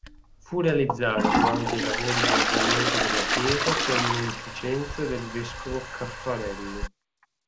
Fu realizzata durante i lavori di ampliamento della chiesa per munificenza del Vescovo Caffarelli.